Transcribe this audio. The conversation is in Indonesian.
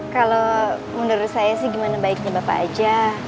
kalau menurut saya sih gimana baiknya bapak aja